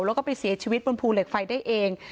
แล้วก็ไปเสียชีวิตบนภูเหล็กไฟได้เอง